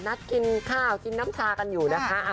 นัดกินข้าวกินน้ำชากันอยู่นะคะ